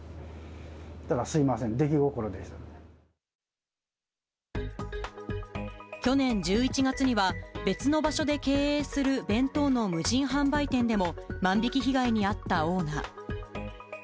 だからすみません、去年１１月には、別の場所で経営する弁当の無人販売店でも万引き被害に遭ったオーナー。